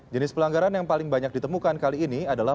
jenis pelanggaran yang paling banyak ditemukan kali ini adalah